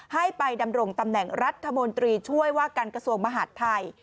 ให้ไปดำรงตำแหน่งรัฐมนตรีช่วยว่าการกระทรวงมหาดไทย